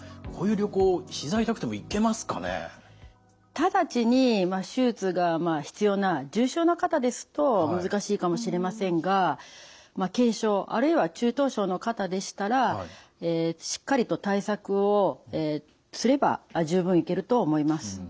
直ちに手術が必要な重症な方ですと難しいかもしれませんが軽症あるいは中等症の方でしたらしっかりと対策をすれば十分行けると思います。